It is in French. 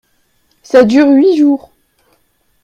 Ca dure huit jours !…